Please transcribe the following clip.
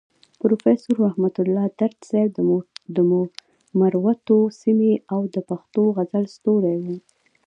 پروفيسور رحمت الله درد صيب د مروتو سيمې او د پښتو غزل ستوری وو.